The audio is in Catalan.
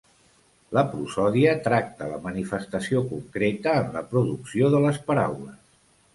La prosòdia tracta la manifestació concreta en la producció de les paraules.